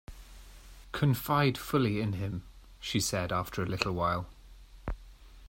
"Confide fully in him," she said after a little while.